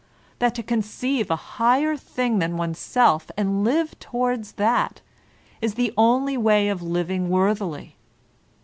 that to conceive a higher thing than oneself and Uve toward that is the only way of living worthily?